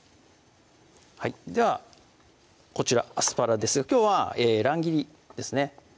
ではこちらアスパラですがきょうは乱切りですね